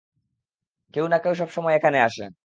কেউ না কেউ সবসময় এখানে আসে।